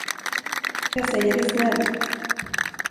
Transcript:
Jag säger det snällt.